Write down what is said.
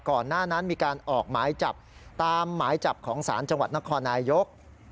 ก่อนหน้านั้นมีการออกหมายจับตามหมายจับของศาลจังหวัดนครนายก